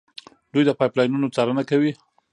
دوی د پایپ لاینونو څارنه کوي.